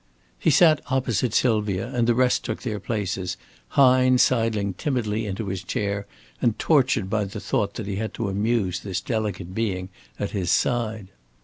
He sat opposite Sylvia and the rest took their places, Hine sidling timidly into his chair and tortured by the thought that he had to amuse this delicate being at his side.